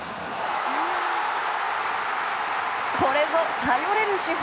これぞ頼れる主砲！